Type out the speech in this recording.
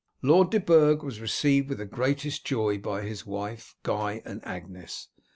Lord de Burg was received with the greatest joy by his wife, Guy, and Agnes.